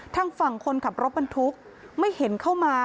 ทางฝั่งคนขับรถบรรทุกไม่เห็นเข้ามา